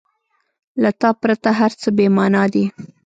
• له تا پرته هر څه بېمانا دي.